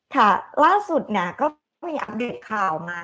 ค่ะล่าสุดก็มีอัปเดตข่าวมา